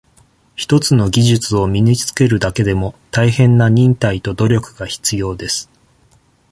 一つの技術を身につけるだけでも、大変な忍耐と、努力が必要です。